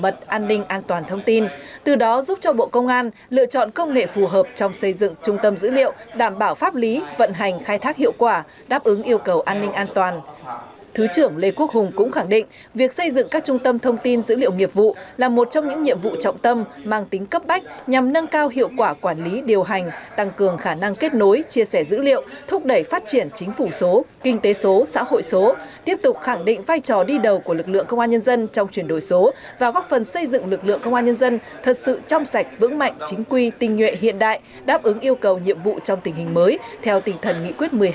thứ trưởng lê quốc hùng cũng khẳng định việc xây dựng các trung tâm thông tin dữ liệu nghiệp vụ là một trong những nhiệm vụ trọng tâm mang tính cấp bách nhằm nâng cao hiệu quả quản lý điều hành tăng cường khả năng kết nối chia sẻ dữ liệu thúc đẩy phát triển chính phủ số kinh tế số xã hội số tiếp tục khẳng định vai trò đi đầu của lực lượng công an nhân dân trong chuyển đổi số và góp phần xây dựng lực lượng công an nhân dân thật sự trong sạch vững mạnh chính quy tinh nhuệ hiện đại đáp ứng yêu cầu nhiệm vụ trong tình hình mới theo tình